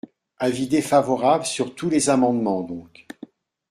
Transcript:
Avis défavorable sur tous les amendements, donc.